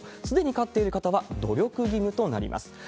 すでに飼っている方は努力義務となります。